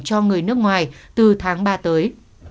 cho người nước ngoài từ tháng ba tới